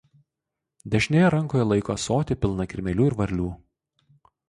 Dešinėje rankoje laiko ąsotį pilną kirmėlių ir varlių.